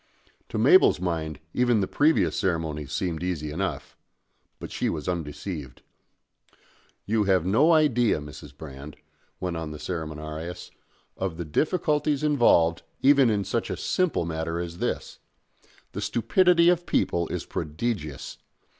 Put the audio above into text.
To Mabel's mind even the previous ceremonies seemed easy enough. But she was undeceived. "You have no idea, Mrs. Brand," went on the ceremoniarius, "of the difficulties involved even in such a simple matter as this. The stupidity of people is prodigious.